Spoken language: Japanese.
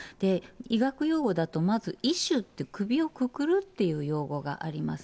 医学用語だとまず、縊首って、首をくくるって用語があります。